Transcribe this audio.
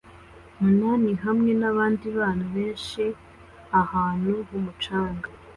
munini hamwe nabandi bana benshi ahantu h'umucanga